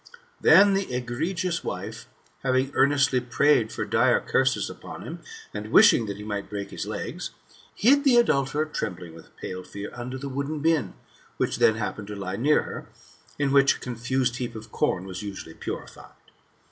Then the egregious wife, having earnestly prayed for dire curses upon him, and wishing that he might break his legs, hid the adulterer, trembling with pale fear, under the wooden bin, which then happened to lie near her, in which a confused heap of corn was usually purified.